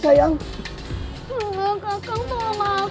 sayangku kamu kenapa sayang